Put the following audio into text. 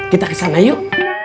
kita kesana yuk